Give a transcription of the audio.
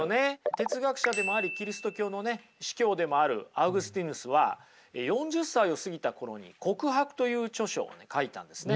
哲学者でもありキリスト教のね司教でもあるアウグスティヌスは４０歳を過ぎた頃に「告白」という著書をね書いたんですね。